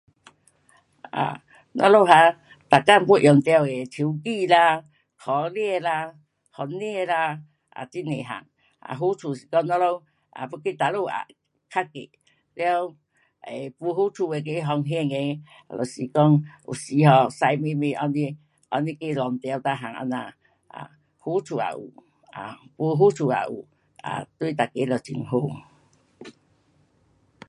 da lo a, da gan guo yon tiu le yiu be la, ko lie la, hong lie la, a jin nei han, a ho na lo a bo khie da lo, ka ging liu bo ho zu hong hen e, wu si gong si ho au nei au nei yi long liu an na. ho dua wu, wu ho dua a wu, dui dai ge jin ho.